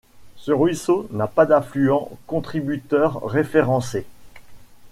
Ce ruisseau n'a pas d'affluent contributeur référencé.